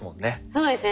そうですね